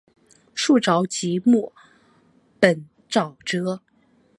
树沼即木本沼泽。